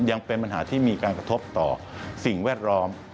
ยังเป็นปัญหาที่มีการกระทบต่อสิ่งแวดล้อม